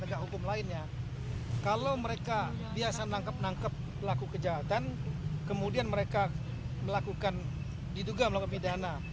penegak hukum lainnya kalau mereka biasa menangkap nangkep pelaku kejahatan kemudian mereka melakukan diduga melakukan pidana